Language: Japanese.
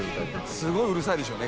すごいうるさいでしょうね